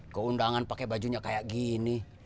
ke undangan pake bajunya kayak gini